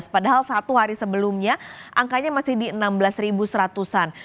padahal satu hari sebelumnya angkanya masih di enam belas seratus an